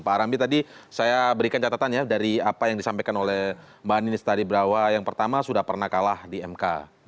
pak arambi tadi saya berikan catatan ya dari apa yang disampaikan oleh mbak ninistari brawa yang pertama sudah pernah kalah di mk